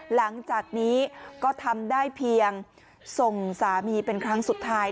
หลังจากนี้ก็ทำได้เพียงส่งสามีเป็นครั้งสุดท้าย